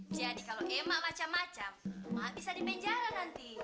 jadi kalau emak macam macam bisa di penjara nanti